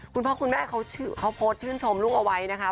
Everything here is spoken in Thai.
คุณพ่อกุณแม่เขาโพสซึ่งชมลูกเอาไว้นะครับ